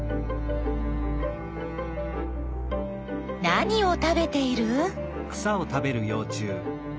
何を食べている？